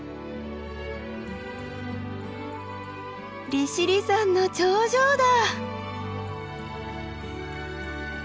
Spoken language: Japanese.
利尻山の頂上だ。